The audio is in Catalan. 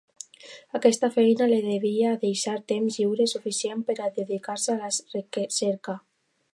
Aquesta feina li devia deixar temps lliure suficient per a dedicar-se a la recerca.